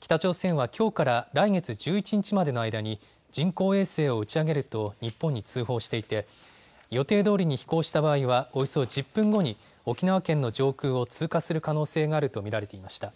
北朝鮮はきょうから来月１１日までの間に人工衛星を打ち上げると日本に通報していて予定どおりに飛行した場合はおよそ１０分後に沖縄県の上空を通過する可能性があると見られていました。